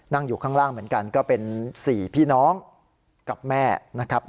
นั่งอยู่ข้างล่างเหมือนกันก็เป็น๔พี่น้องกับแม่นะครับ